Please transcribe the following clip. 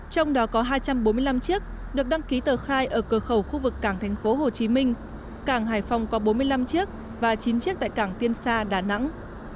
trong đó có hai trăm bốn mươi năm chiếc được đăng ký tờ khai ở cửa khẩu khu vực cảng tp hcm cảng hải phòng có bốn mươi năm chiếc và chín chiếc tại cảng tiên sa đà nẵng